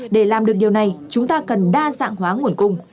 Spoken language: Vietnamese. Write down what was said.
để làm được điều này chúng ta cần đa dạng hóa nguồn cung